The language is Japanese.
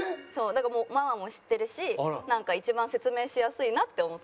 だからもうママも知ってるし一番説明しやすいなって思って。